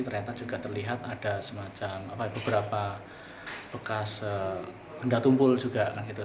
ternyata juga terlihat ada semacam beberapa bekas benda tumpul juga kan gitu